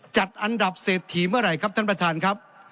จัดอันดับเศรษฐีเมื่อไหร่ครับท่านประธานครับ